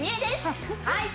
はい！